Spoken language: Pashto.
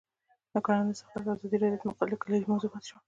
د کانونو استخراج د ازادي راډیو د مقالو کلیدي موضوع پاتې شوی.